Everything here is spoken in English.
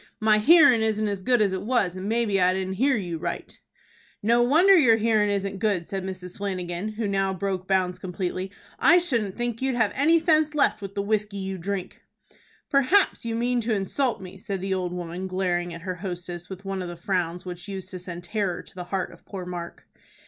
"My hearin' isn't as good as it was, and maybe I didn't hear you right." "No wonder your hearin' isn't good," said Mrs. Flanagan, who now broke bounds completely. "I shouldn't think you'd have any sense left with the whiskey you drink." "Perhaps you mean to insult me," said the old woman, glaring at her hostess with one of the frowns which used to send terror to the heart of poor Mark.